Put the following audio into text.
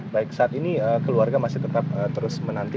baik saat ini keluarga masih tetap terus menanti